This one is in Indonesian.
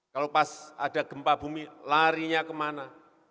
kalau pas ada gempa bumi larinya kemana